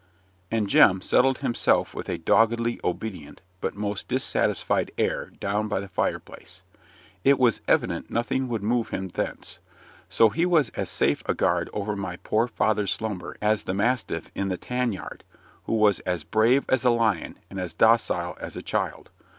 And Jem settled himself with a doggedly obedient, but most dissatisfied air down by the fire place. It was evident nothing would move him thence: so he was as safe a guard over my poor old father's slumber as the mastiff in the tan yard, who was as brave as a lion and as docile as a child.